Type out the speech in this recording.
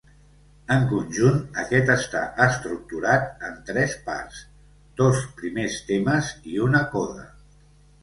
En conjunt, aquest està estructurat en tres parts: dos primers temes i una coda.